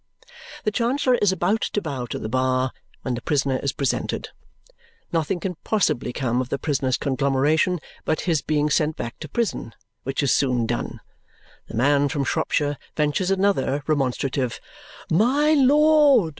The Chancellor is about to bow to the bar when the prisoner is presented. Nothing can possibly come of the prisoner's conglomeration but his being sent back to prison, which is soon done. The man from Shropshire ventures another remonstrative "My lord!"